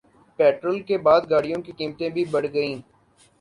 petrol کے بعد گاڑیوں کی قیمتیں بھی بڑھ گئیں